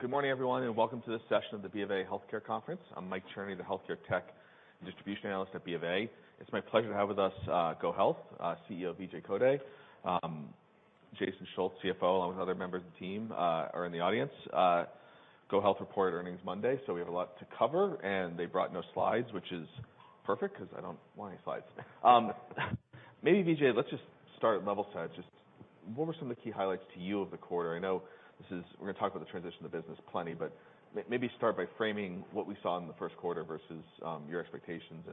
Good morning, everyone, and welcome to this session of the BofA Healthcare Conference. I'm Michael Cherny, the Healthcare Tech and Distribution Analyst at BofA. It's my pleasure to have with us, GoHealth CEO, Vijay Kotte. Jason Schulz, CFO, along with other members of the team, are in the audience. GoHealth reported earnings Monday, we have a lot to cover. They brought no slides, which is perfect 'cause I don't want any slides. Maybe Vijay, let's just start level set. Just what were some of the key highlights to you of the quarter? I know We're gonna talk about the transition of the business plenty, but maybe start by framing what we saw in the first quarter versus your expectations.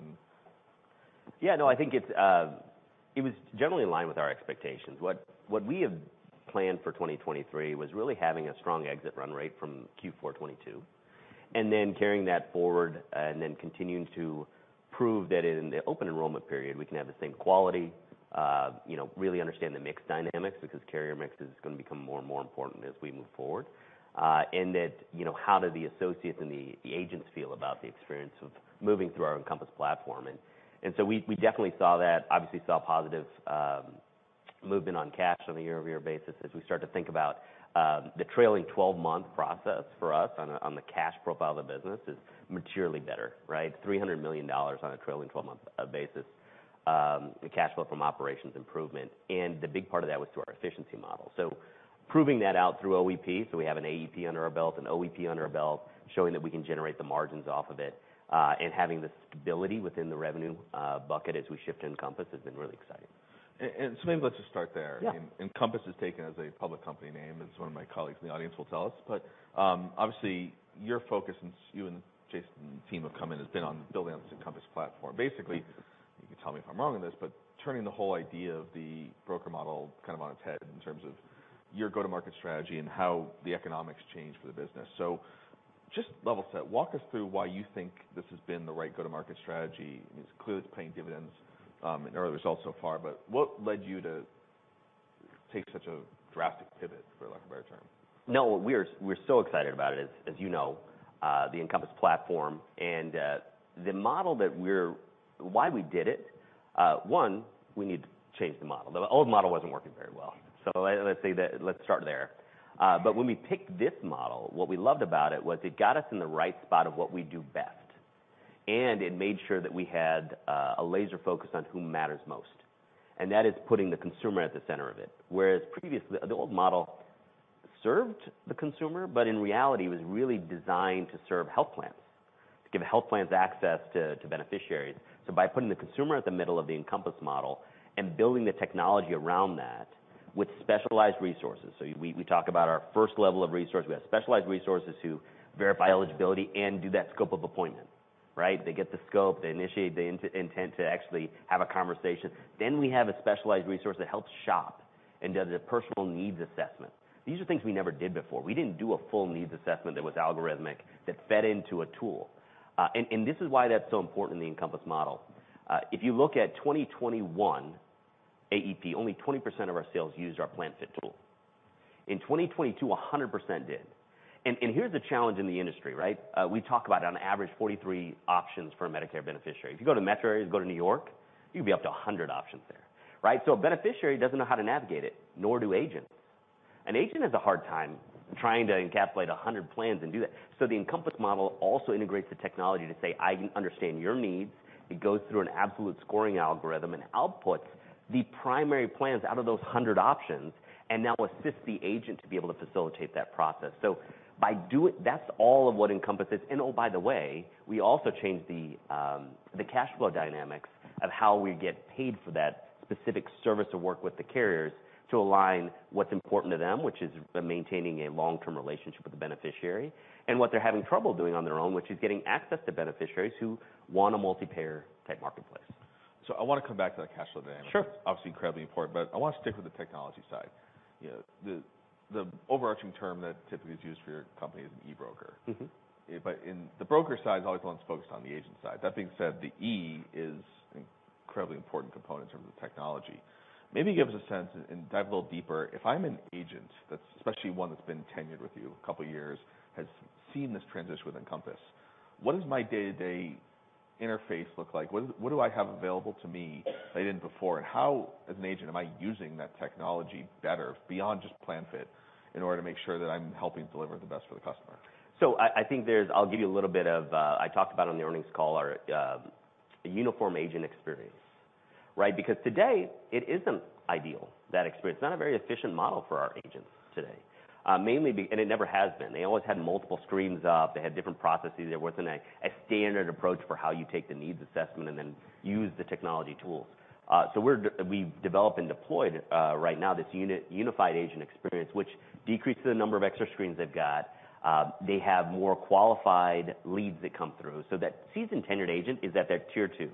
I think it was generally in line with our expectations. What we have planned for 2023 was really having a strong exit run rate from Q4 2022, and then carrying that forward and then continuing to prove that in the open enrollment period we can have the same quality, you know, really understand the mix dynamics because carrier mix is gonna become more and more important as we move forward. You know, how do the associates and the agents feel about the experience of moving through our Encompass Platform? We definitely saw that. Obviously, saw positive movement on cash on a year-over-year basis as we start to think about the trailing twelve-month process for us on the cash profile of the business is materially better. Right? $300 million on a trailing 12-month basis, in cash flow from operations improvement. The big part of that was to our efficiency model. Proving that out through OEP, we have an AEP under our belt, an OEP under our belt, showing that we can generate the margins off of it, and having the stability within the revenue bucket as we shift to Encompass has been really exciting. Maybe let's just start there. Yeah. Encompass is taken as a public company name, as one of my colleagues in the audience will tell us. obviously, your focus, and you and Jason and the team have come in, has been on building on this Encompass Platform. Basically, you can tell me if I'm wrong on this, but turning the whole idea of the broker model kind of on its head in terms of your go-to-market strategy and how the economics change for the business. just level set, walk us through why you think this has been the right go-to-market strategy. It's clear it's paying dividends, in early results so far, but what led you to take such a drastic pivot, for lack of a better term? No, we're so excited about it. As you know, the Encompass Platform and the model. Why we did it, one, we need to change the model. The old model wasn't working very well. Let's say that. Let's start there. But when we picked this model, what we loved about it was it got us in the right spot of what we do best, and it made sure that we had a laser focus on who matters most, and that is putting the consumer at the center of it. Whereas previously, the old model served the consumer, but in reality, it was really designed to serve health plans, to give health plans access to beneficiaries. By putting the consumer at the middle of the Encompass model and building the technology around that with specialized resources. We talk about our first level of resource. We have specialized resources who verify eligibility and do that scope of appointment, right? They get the scope, they initiate the intent to actually have a conversation. We have a specialized resource that helps shop and does a personal needs assessment. These are things we never did before. We didn't do a full needs assessment that was algorithmic, that fed into a tool. This is why that's so important in the Encompass model. If you look at 2021 AEP, only 20% of our sales used our PlanFit tool. In 2022, 100% did. Here's the challenge in the industry, right? We talk about on average 43 options for a Medicare beneficiary. If you go to metro areas, go to New York, you could be up to 100 options there, right? A beneficiary doesn't know how to navigate it, nor do agents. An agent has a hard time trying to encapsulate 100 plans and do that. The Encompass model also integrates the technology to say, "I understand your needs." It goes through an absolute scoring algorithm and outputs the primary plans out of those 100 options and now assists the agent to be able to facilitate that process. That's all of what Encompass is. Oh, by the way, we also change the cash flow dynamics of how we get paid for that specific service to work with the carriers to align what's important to them, which is maintaining a long-term relationship with the beneficiary, and what they're having trouble doing on their own, which is getting access to beneficiaries who want a multi-payer type marketplace. I wanna come back to that cash flow dynamic. Sure Obviously incredibly important, but I wanna stick with the technology side. You know, the overarching term that typically is used for your company is an e-broker. In the broker side is always the one that's focused on the agent side. That being said, the E is an incredibly important component in terms of technology. Maybe give us a sense and dive a little deeper. If I'm an agent that's, especially one that's been tenured with you a couple of years, has seen this transition with Encompass, what does my day-to-day interface look like? What do I have available to me that I didn't before? How, as an agent, am I using that technology better beyond just PlanFit in order to make sure that I'm helping deliver the best for the customer? I think there's I'll give you a little bit of, I talked about on the earnings call our uniform agent experience, right? Because today it isn't ideal, that experience. It's not a very efficient model for our agents today. mainly and it never has been. They always had multiple screens up. They had different processes. There wasn't a standard approach for how you take the needs assessment and then use the technology tools. we've developed and deployed right now this unified agent experience, which decreases the number of extra screens they've got. They have more qualified leads that come through. That seasoned tenured agent is at their tier two,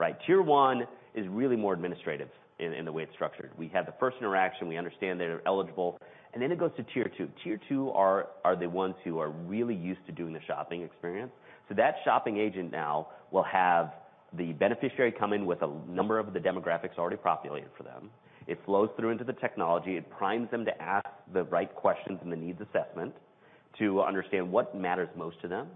right? Tier 1 is really more administrative in the way it's structured. We have the first interaction. We understand they're eligible, then it goes to tier two. Tier two are the ones who are really used to doing the shopping experience. That shopping agent now will have the beneficiary come in with a number of the demographics already populated for them. It flows through into the technology. It primes them to ask the right questions in the needs assessment. To understand what matters most to them,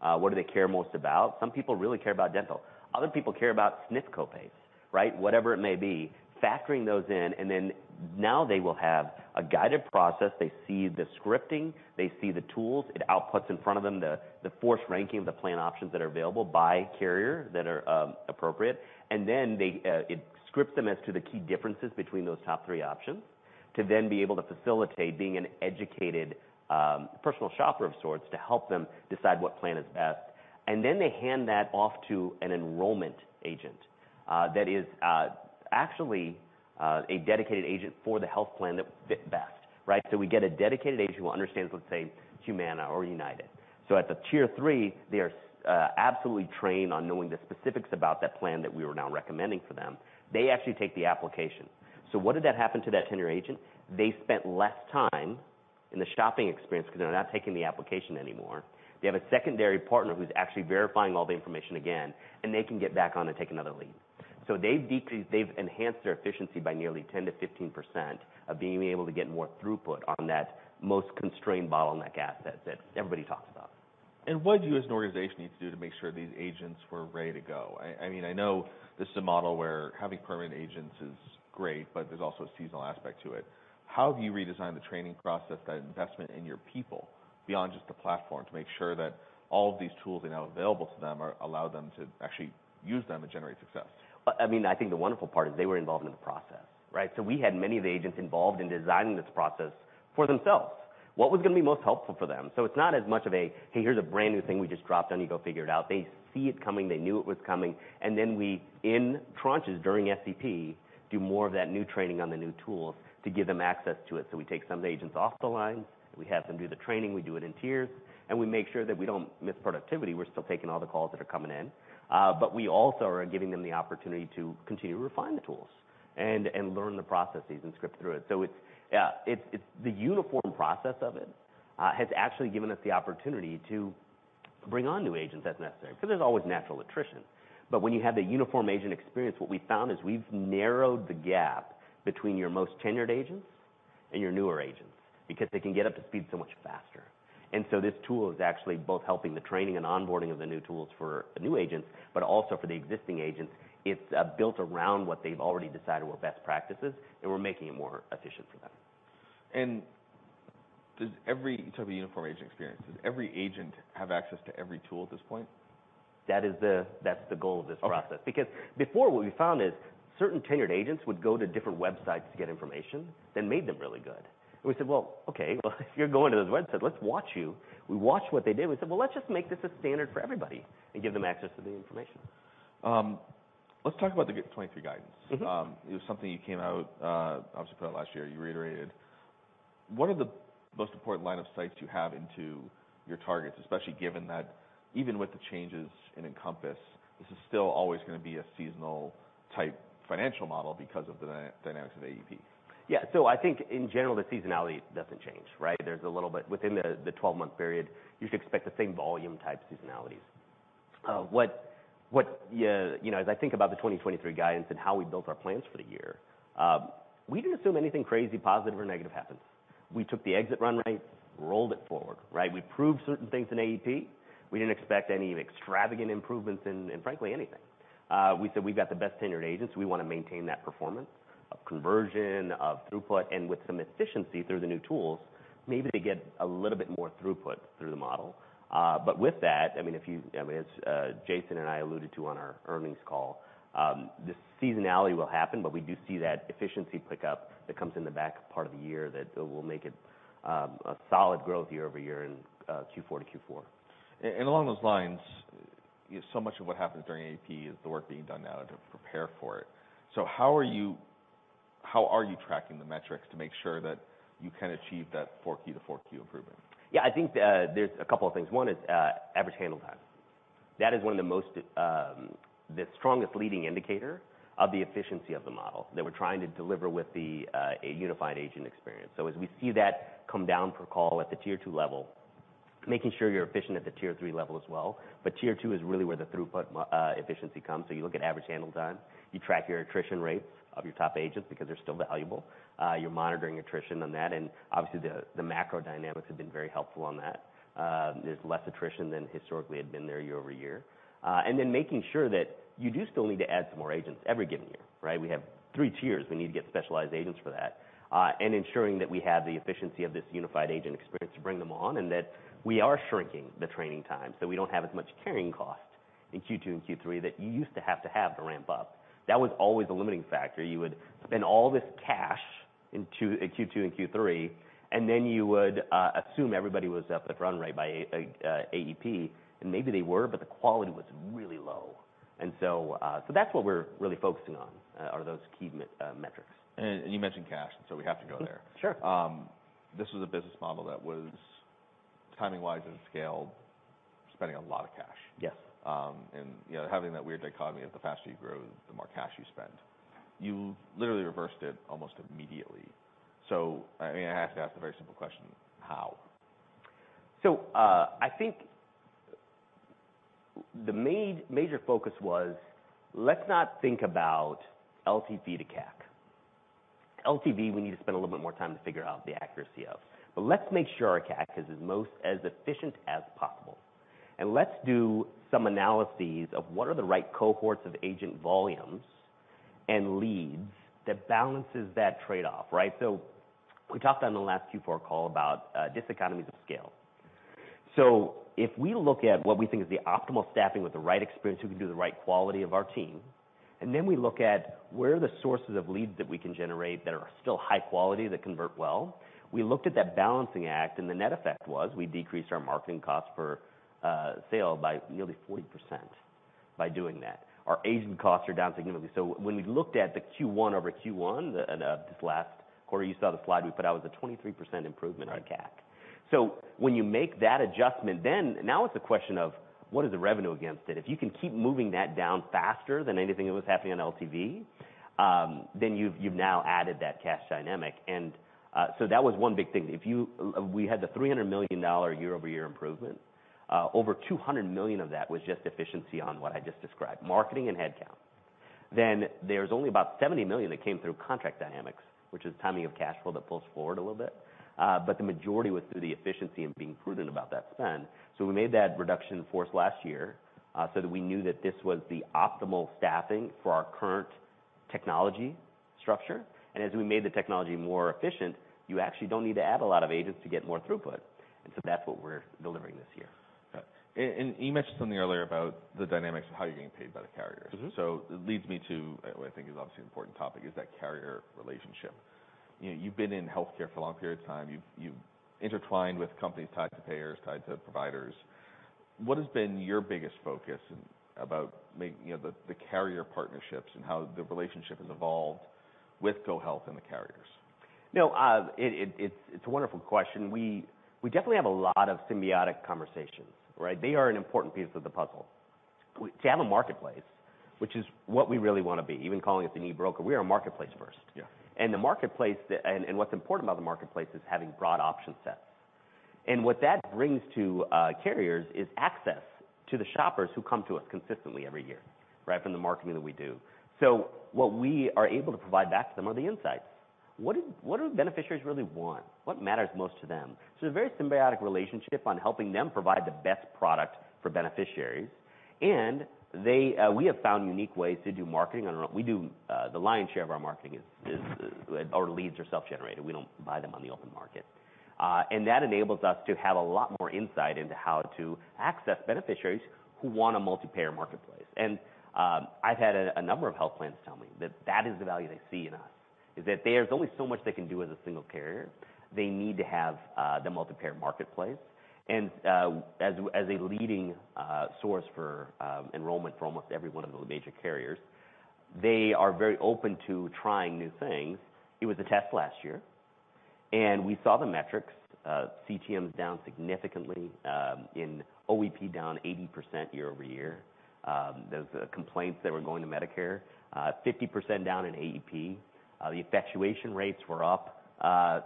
what do they care most about. Some people really care about dental. Other people care about SNF co-pays, right? Whatever it may be, factoring those in, then now they will have a guided process. They see the scripting. They see the tools. It outputs in front of them the force ranking of the plan options that are available by carrier that are appropriate. They, it scripts them as to the key differences between those top three options to then be able to facilitate being an educated personal shopper of sorts to help them decide what plan is best. They hand that off to an enrollment agent that is actually a dedicated agent for the health plan that fit best, right? We get a dedicated agent who understands, let's say, Humana or United. At the tier three, they are absolutely trained on knowing the specifics about that plan that we are now recommending for them. They actually take the application. What did that happen to that tenured agent? They spent less time in the shopping experience because they're not taking the application anymore. They have a secondary partner who's actually verifying all the information again, and they can get back on and take another lead. They've enhanced their efficiency by nearly 10%-15% of being able to get more throughput on that most constrained bottleneck asset that everybody talks about. What do you as an organization need to do to make sure these agents were ready to go? I mean, I know this is a model where having permanent agents is great, but there's also a seasonal aspect to it. How do you redesign the training process, that investment in your people beyond just the platform to make sure that all of these tools are now available to them or allow them to actually use them to generate success? Well, I mean, I think the wonderful part is they were involved in the process, right? We had many of the agents involved in designing this process for themselves. What was gonna be most helpful for them? It's not as much of a, "Hey, here's a brand-new thing we just dropped on you. Go figure it out." They see it coming, they knew it was coming, and then we, in tranches during SEP, do more of that new training on the new tools to give them access to it. We take some of the agents off the line, we have them do the training, we do it in tiers, and we make sure that we don't miss productivity. We're still taking all the calls that are coming in, we also are giving them the opportunity to continue to refine the tools and learn the processes and script through it. It's the uniform process of it has actually given us the opportunity to bring on new agents as necessary, 'cause there's always natural attrition. When you have the Uniform Agent Experience, what we found is we've narrowed the gap between your most tenured agents and your newer agents because they can get up to speed so much faster. This tool is actually both helping the training and onboarding of the new tools for the new agents, but also for the existing agents, it's built around what they've already decided were best practices, and we're making it more efficient for them. You talk about uniform agent experience. Does every agent have access to every tool at this point? That's the goal of this process. Okay. Because before what we found is certain tenured agents would go to different websites to get information that made them really good. We said, "Well, okay, well, if you're going to those websites, let's watch you." We watched what they did, and we said, "Well, let's just make this a standard for everybody and give them access to the information. Let's talk about 2023 guidance. It was something you came out, obviously put out last year, you reiterated. What are the most important line of sights you have into your targets, especially given that even with the changes in Encompass, this is still always gonna be a seasonal type financial model because of the dynamics of AEP? I think in general, the seasonality doesn't change, right? There's a little bit within the 12-month period, you should expect the same volume type seasonalities. you know, as I think about the 2023 guidance and how we built our plans for the year, we didn't assume anything crazy, positive or negative happens. We took the exit run rate, rolled it forward, right? We proved certain things in AEP. We didn't expect any extravagant improvements in, frankly, anything. We said we've got the best tenured agents. We wanna maintain that performance of conversion, of throughput, and with some efficiency through the new tools, maybe they get a little bit more throughput through the model. I mean, as Jason and I alluded to on our earnings call, the seasonality will happen, but we do see that efficiency pick-up that comes in the back part of the year that will make it a solid growth year-over-year in Q4 to Q4. Along those lines, so much of what happens during AEP is the work being done now to prepare for it. How are you tracking the metrics to make sure that you can achieve that 4Q to 4Q improvement? Yeah. I think there's a couple of things. One is average handle time. That is one of the most, the strongest leading indicator of the efficiency of the model that we're trying to deliver with a unified agent experience. As we see that come down per call at the tier two level, making sure you're efficient at the tier three level as well, but tier two is really where the throughput efficiency comes. You look at average handle time. You track your attrition rates of your top agents because they're still valuable. You're monitoring attrition on that, and obviously the macro dynamics have been very helpful on that. There's less attrition than historically had been there year-over-year. And then making sure that you do still need to add some more agents every given year, right? We have three tiers. We need to get specialized agents for that, and ensuring that we have the efficiency of this unified agent experience to bring them on, and that we are shrinking the training time, so we don't have as much carrying cost in Q2 and Q3 that you used to have to have to ramp up. That was always a limiting factor. You would spend all this cash in Q2 and Q3, and then you would assume everybody was up at run rate by AEP, and maybe they were, but the quality was really low. That's what we're really focusing on, are those key metrics. You mentioned cash. We have to go there. Sure. This was a business model that was timing-wise and scale spending a lot of cash. Yes. you know, having that weird dichotomy of the faster you grow, the more cash you spend. You literally reversed it almost immediately. I mean, I have to ask the very simple question: how? The major focus was let's not think about LTV to CAC. LTV, we need to spend a little bit more time to figure out the accuracy of, but let's make sure our CAC is as most as efficient as possible. Let's do some analyses of what are the right cohorts of agent volumes and leads that balances that trade-off, right? We talked on the last Q4 call about diseconomies of scale. If we look at what we think is the optimal staffing with the right experience, who can do the right quality of our team, and then we look at where are the sources of leads that we can generate that are still high quality, that convert well, we looked at that balancing act, and the net effect was we decreased our marketing cost per sale by nearly 40% by doing that. Our agent costs are down significantly. When we looked at the Q1-over-Q1 this last quarter, you saw the slide we put out, was a 23% improvement on CAC. Right. When you make that adjustment, now it's a question of what is the revenue against it. If you can keep moving that down faster than anything that was happening on LTV, you've now added that cash dynamic. That was one big thing. We had the $300 million year-over-year improvement, over $200 million of that was just efficiency on what I just described, marketing and headcount. There's only about $70 million that came through contract dynamics, which is timing of cash flow that pulls forward a little bit. The majority was through the efficiency and being prudent about that spend. We made that reduction in force last year, so that we knew that this was the optimal staffing for our current technology structure. As we made the technology more efficient, you actually don't need to add a lot of agents to get more throughput, and so that's what we're delivering this year. Got it. You mentioned something earlier about the dynamics of how you're getting paid by the carriers. It leads me to what I think is obviously an important topic, is that carrier relationship. You know, you've been in healthcare for a long period of time. You've intertwined with companies tied to payers, tied to providers. What has been your biggest focus about making, you know, the carrier partnerships and how the relationship has evolved with GoHealth and the carriers? It's a wonderful question. We definitely have a lot of symbiotic conversations, right? They are an important piece of the puzzle. To have a marketplace, which is what we really wanna be, even calling it the new broker, we are a marketplace first. Yeah. The marketplace that. What's important about the marketplace is having broad option sets. What that brings to carriers is access to the shoppers who come to us consistently every year, right from the marketing that we do. What we are able to provide back to them are the insights. What do beneficiaries really want? What matters most to them? A very symbiotic relationship on helping them provide the best product for beneficiaries. They, we have found unique ways to do marketing on our own. We do the lion's share of our marketing is, our leads are self-generated. We don't buy them on the open market. That enables us to have a lot more insight into how to access beneficiaries who want a multi-payer marketplace. I've had a number of health plans tell me that that is the value they see in us, is that there's only so much they can do as a single carrier. They need to have the multi-payer marketplace. As a leading source for enrollment for almost every one of the major carriers, they are very open to trying new things. It was a test last year, and we saw the metrics, CTM down significantly, and OEP down 80% year-over-year. Those complaints that were going to Medicare, 50% down in AEP. The effectuation rates were up,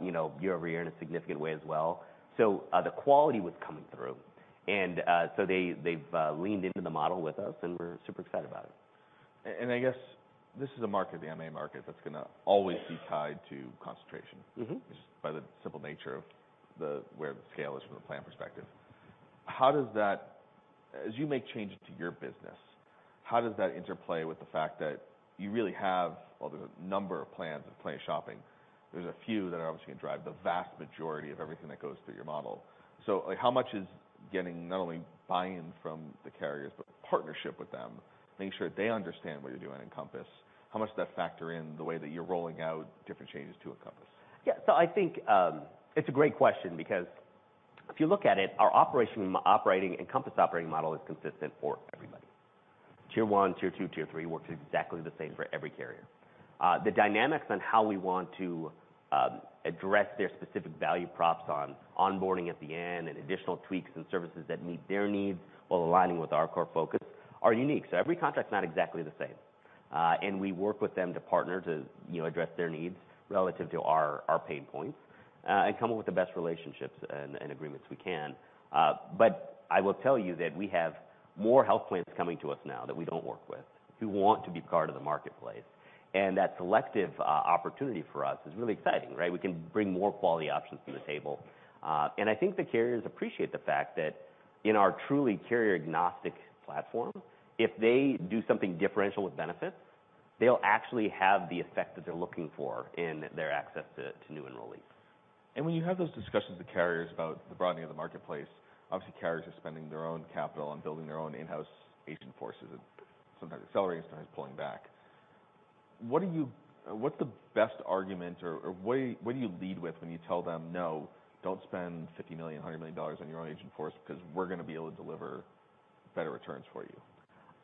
you know, year-over-year in a significant way as well. The quality was coming through. They've leaned into the model with us, and we're super excited about it. I guess this is a market, the MA market, that's gonna always be tied to concentration just by the simple nature of the, where the scale is from the plan perspective. As you make changes to your business, how does that interplay with the fact that you really have, while there's a number of plans of plan shopping, there's a few that are obviously gonna drive the vast majority of everything that goes through your model? like, how much is getting not only buy-in from the carriers, but partnership with them, making sure they understand what you're doing in Compass? How much does that factor in the way that you're rolling out different changes to Encompass? Yeah. I think, it's a great question because if you look at it, our operation, operating, Encompass operating model is consistent for everybody. Tier one, tier two, tier three, works exactly the same for every carrier. The dynamics on how we want to address their specific value props on onboarding at the end and additional tweaks and services that meet their needs while aligning with our core focus are unique. Every contract's not exactly the same. We work with them to partner to, you know, address their needs relative to our pain points and come up with the best relationships and agreements we can. I will tell you that we have more health plans coming to us now that we don't work with, who want to be part of the marketplace, and that selective opportunity for us is really exciting, right? We can bring more quality options to the table. I think the carriers appreciate the fact that in our truly carrier-agnostic platform, if they do something differential with benefits, they'll actually have the effect that they're looking for in their access to new enrollees. When you have those discussions with carriers about the broadening of the marketplace, obviously carriers are spending their own capital on building their own in-house agent forces and sometimes accelerating, sometimes pulling back. What's the best argument or what do you lead with when you tell them, "No, don't spend $50 million, $100 million on your own agent force because we're gonna be able to deliver better returns for you"?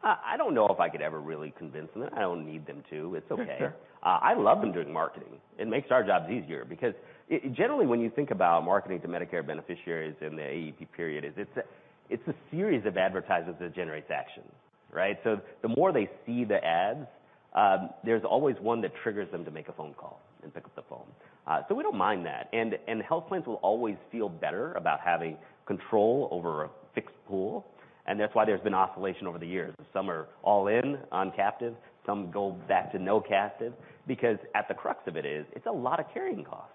I don't know if I could ever really convince them. I don't need them to. It's okay. Sure. I love them doing marketing. It makes our jobs easier because generally, when you think about marketing to Medicare beneficiaries in the AEP period, is it's a series of advertisers that generates action. Right? The more they see the ads, there's always one that triggers them to make a phone call and pick up the phone. We don't mind that. Health plans will always feel better about having control over a fixed pool, and that's why there's been oscillation over the years. Some are all in on captive, some go back to no captive because at the crux of it is, it's a lot of carrying costs,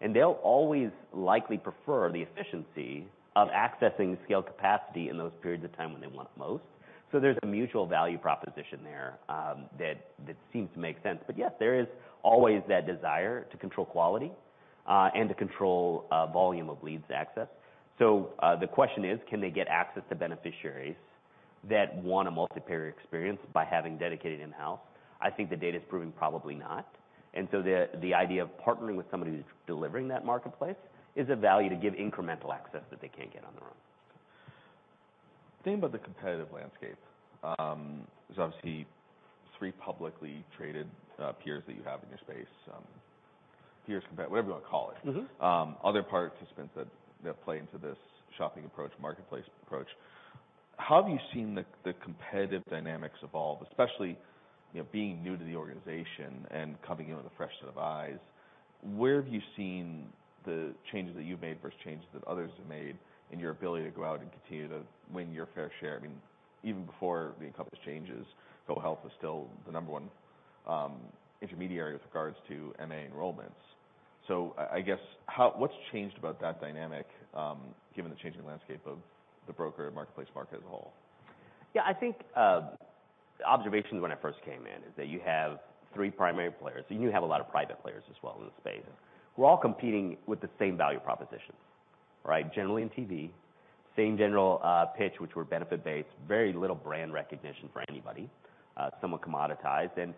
and they'll always likely prefer the efficiency of accessing scaled capacity in those periods of time when they want it most. There's a mutual value proposition there, that seems to make sense. Yes, there is always that desire to control quality, and to control volume of leads access. The question is, can they get access to beneficiaries that want a multi-payer experience by having dedicated in-house? I think the data's proving probably not. The idea of partnering with somebody who's delivering that marketplace is a value to give incremental access that they can't get on their own. Same with the competitive landscape. There's obviously three publicly traded peers that you have in your space, peers, whatever you wanna call it. Other participants that play into this shopping approach, marketplace approach. How have you seen the competitive dynamics evolve, especially, you know, being new to the organization and coming in with a fresh set of eyes, where have you seen the changes that you've made versus changes that others have made in your ability to go out and continue to win your fair share? I mean, even before the Encompass changes, GoHealth was still the number 1 intermediary with regards to MA enrollments. I guess, what's changed about that dynamic, given the changing landscape of the broker and marketplace market as a whole? Yeah. I think, the observation when I first came in is that you have three primary players, and you have a lot of private players as well in the space, who are all competing with the same value propositions, right? Generally in TV, same general pitch, which were benefit-based, very little brand recognition for anybody, somewhat commoditized, and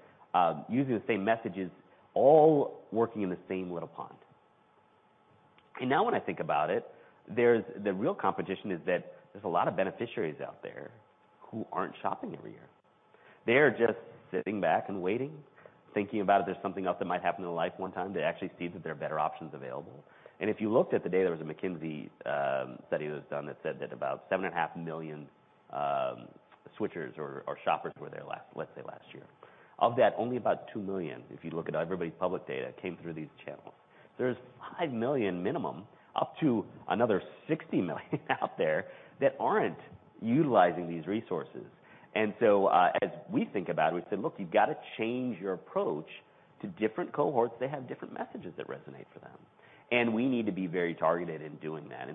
using the same messages, all working in the same little pond. Now when I think about it, the real competition is that there's a lot of beneficiaries out there who aren't shopping every year. They are just sitting back and waiting, thinking about if there's something else that might happen in their life one time to actually see that there are better options available. If you looked at the data, there was a McKinsey study that was done that said that about $7.5 million switchers or shoppers were there last, let's say, last year. Of that, only about $2 million, if you look at everybody's public data, came through these channels. There's $5 million minimum, up to another $60 million out there that aren't utilizing these resources. As we think about it, we said, "Look, you've gotta change your approach to different cohorts that have different messages that resonate for them." We need to be very targeted in doing that.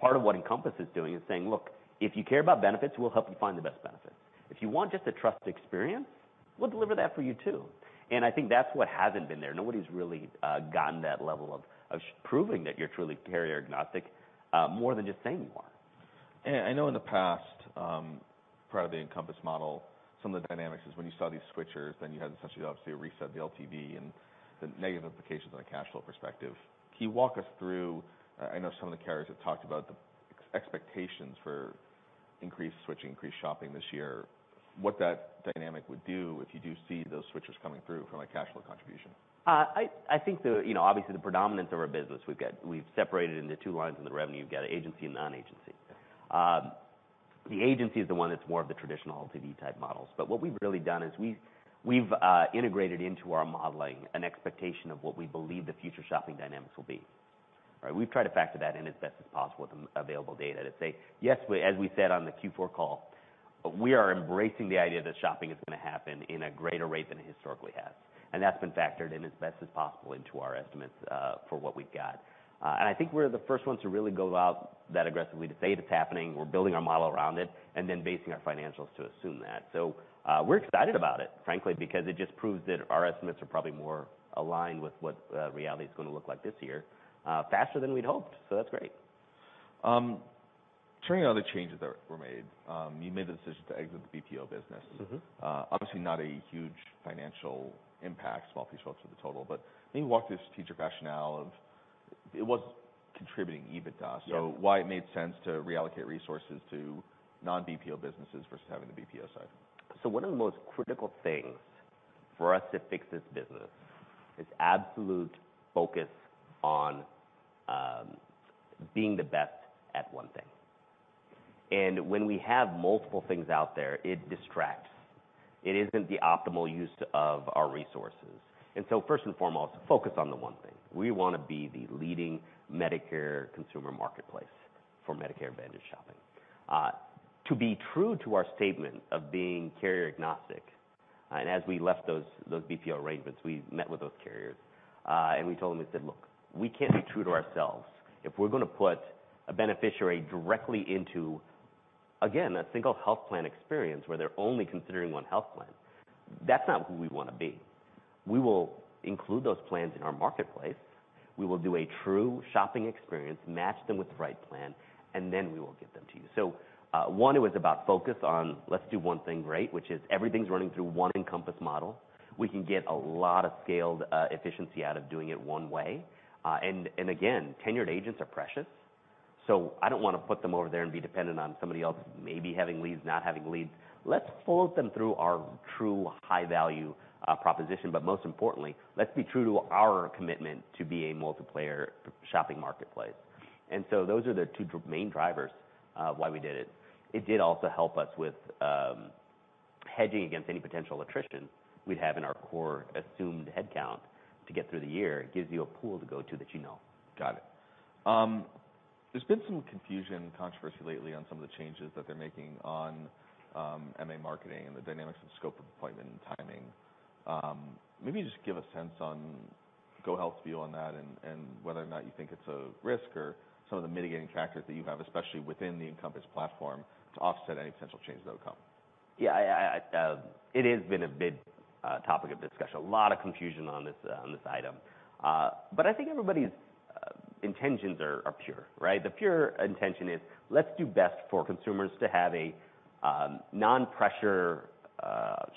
Part of what Encompass is doing is saying, "Look, if you care about benefits, we'll help you find the best benefits. If you want just a trusted experience, we'll deliver that for you too. I think that's what hasn't been there. Nobody's really gotten that level of proving that you're truly carrier agnostic, more than just saying you are. I know in the past, part of the Encompass model, some of the dynamics is when you saw these switchers, then you had essentially obviously a reset of the LTV and the negative implications on a cash flow perspective. Can you walk us through, I know some of the carriers have talked about the expectations for increased switching, increased shopping this year, what that dynamic would do if you do see those switchers coming through from a cash flow contribution? I think the, you know, obviously the predominance of our business, we've separated into two lines in the revenue. You've got agency and non-agency. The agency is the one that's more of the traditional LTV type models. What we've really done is we've integrated into our modeling an expectation of what we believe the future shopping dynamics will be. Right? We've tried to factor that in as best as possible with the available data to say, yes, as we said on the Q4 call, we are embracing the idea that shopping is gonna happen in a greater rate than it historically has. That's been factored in as best as possible into our estimates for what we've got. I think we're the first ones to really go out that aggressively to say it is happening, we're building our model around it, and then basing our financials to assume that. We're excited about it, frankly, because it just proves that our estimates are probably more aligned with what reality is gonna look like this year, faster than we'd hoped. That's great. Turning to other changes that were made, you made the decision to exit the BPO business obviously not a huge financial impact, small piece relative to the total. Can you walk through the strategic rationale of it wasn't contributing EBITDA? Yeah. Why it made sense to reallocate resources to non-BPO businesses versus having the BPO side? One of the most critical things for us to fix this business is absolute focus on being the best at one thing. When we have multiple things out there, it distracts. It isn't the optimal use of our resources. First and foremost, focus on the one thing. We wanna be the leading Medicare consumer marketplace for Medicare Advantage shopping. To be true to our statement of being carrier agnostic, and as we left those BPO arrangements, we met with those carriers, and we told them, we said, "Look, we can't be true to ourselves if we're gonna put a beneficiary directly into, again, a single health plan experience where they're only considering one health plan. That's not who we wanna be. We will include those plans in our marketplace. We will do a true shopping experience, match them with the right plan, and then we will give them to you. One, it was about focus on let's do one thing great, which is everything's running through one Encompass model. We can get a lot of scaled efficiency out of doing it one way. And again, tenured agents are precious, so I don't wanna put them over there and be dependent on somebody else maybe having leads, not having leads. Let's flow them through our true high value proposition, but most importantly, let's be true to our commitment to be a multiplayer shopping marketplace. Those are the two main drivers why we did it. It did also help us with, hedging against any potential attrition we'd have in our core assumed headcount to get through the year, it gives you a pool to go to that you know. Got it. There's been some confusion, controversy lately on some of the changes that they're making on MA marketing and the dynamics and Scope of Appointment and timing. Maybe just give a sense on GoHealth's view on that and whether or not you think it's a risk or some of the mitigating factors that you have, especially within the Encompass Platform, to offset any potential changes that would come? Yeah, I, it has been a big topic of discussion. A lot of confusion on this on this item. I think everybody's intentions are pure, right? The pure intention is let's do best for consumers to have a non-pressure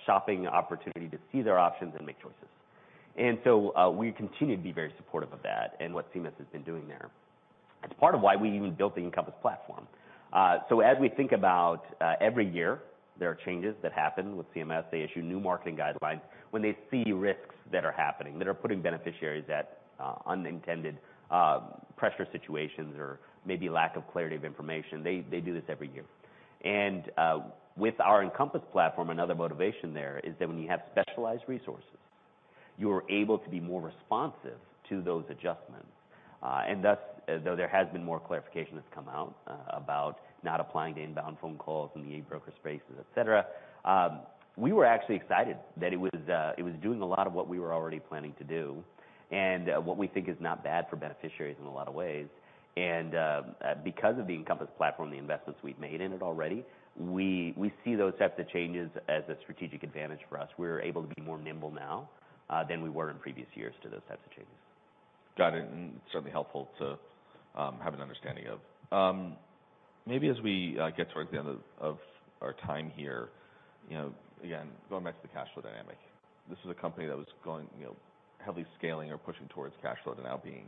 shopping opportunity to see their options and make choices. We continue to be very supportive of that and what CMS has been doing there. It's part of why we even built the Encompass Platform. As we think about every year, there are changes that happen with CMS. They issue new marketing guidelines when they see risks that are happening, that are putting beneficiaries at unintended pressure situations or maybe lack of clarity of information. They do this every year. With our Encompass Platform, another motivation there is that when you have specialized resources, you're able to be more responsive to those adjustments. Though there has been more clarification that's come out about not applying to inbound phone calls in the e-broker spaces, et cetera, we were actually excited that it was doing a lot of what we were already planning to do and what we think is not bad for beneficiaries in a lot of ways. Because of the Encompass Platform, the investments we've made in it already, we see those types of changes as a strategic advantage for us. We're able to be more nimble now than we were in previous years to those types of changes. Got it, and certainly helpful to have an understanding of. Maybe as we get towards the end of our time here, you know, again, going back to the cash flow dynamic. This is a company that was going, you know, heavily scaling or pushing towards cash flow to now being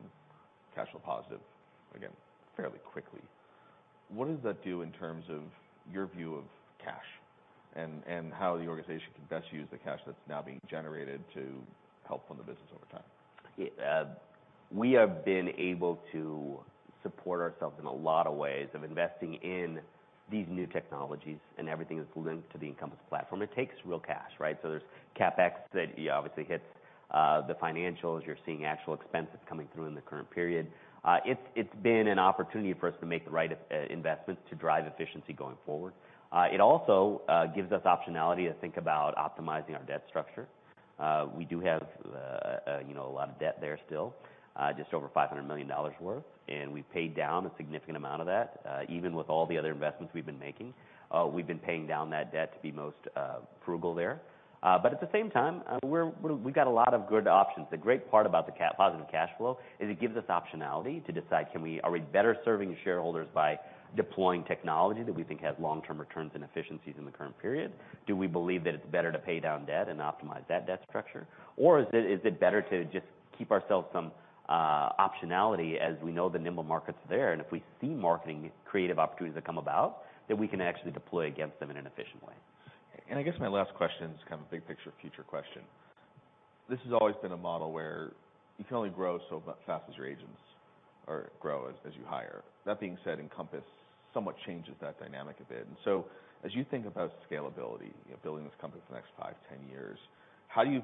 cash flow positive again, fairly quickly. What does that do in terms of your view of cash and how the organization can best use the cash that's now being generated to help fund the business over time? Yeah. We have been able to support ourselves in a lot of ways of investing in these new technologies and everything that's linked to the Encompass Platform. It takes real cash, right? There's CapEx that, yeah, obviously hits the financials. You're seeing actual expenses coming through in the current period. It's been an opportunity for us to make the right investment to drive efficiency going forward. It also gives us optionality to think about optimizing our debt structure. We do have, you know, a lot of debt there still, just over $500 million worth, and we've paid down a significant amount of that. Even with all the other investments we've been making, we've been paying down that debt to be most frugal there. At the same time, we got a lot of good options. The great part about the positive cash flow is it gives us optionality to decide are we better serving shareholders by deploying technology that we think has long-term returns and efficiencies in the current period? Do we believe that it's better to pay down debt and optimize that debt structure? Is it better to just keep ourselves some optionality as we know the nimble market's there, and if we see marketing creative opportunities that come about, that we can actually deploy against them in an efficient way. I guess my last question is kind of a big picture future question. This has always been a model where you can only grow so fast as your agents or grow as you hire. That being said, Encompass somewhat changes that dynamic a bit. So as you think about scalability, you know, building this company for the next five, 10 years, how do you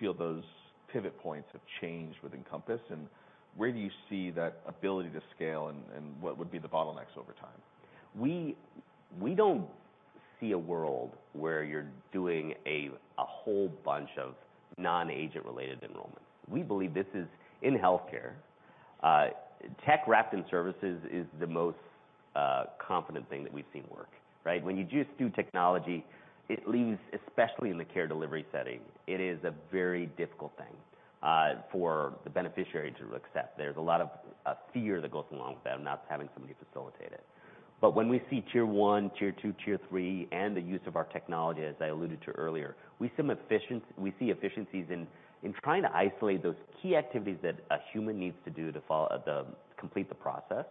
feel those pivot points have changed with Encompass, and where do you see that ability to scale and what would be the bottlenecks over time? We don't see a world where you're doing a whole bunch of non-agent related enrollments. We believe this is in healthcare. Tech wrapped in services is the most confident thing that we've seen work, right? When you just do technology, it leaves, especially in the care delivery setting, it is a very difficult thing for the beneficiary to accept. There's a lot of fear that goes along with that, not having somebody facilitate it. When we see tier one, tier two, tier three, and the use of our technology, as I alluded to earlier, we see efficiencies in trying to isolate those key activities that a human needs to do to complete the process.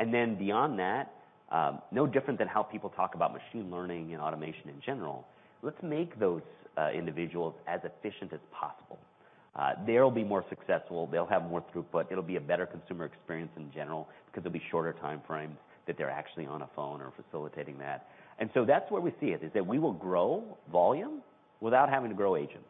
Beyond that, no different than how people talk about machine learning and automation in general, let's make those individuals as efficient as possible. They'll be more successful, they'll have more throughput, it'll be a better consumer experience in general because there'll be shorter time frames that they're actually on a phone or facilitating that. That's where we see it, is that we will grow volume without having to grow agents.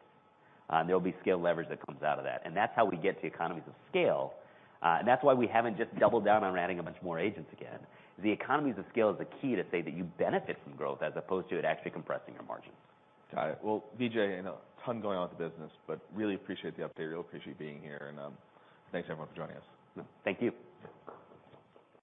There'll be scale leverage that comes out of that, and that's how we get to the economies of scale. That's why we haven't just doubled down on adding a bunch more agents again. The economies of scale is the key to say that you benefit from growth as opposed to it actually compressing your margins. Got it. Well, Vijay, I know a ton going on with the business, but really appreciate the update. Really appreciate you being here, and thanks everyone for joining us. Thank you.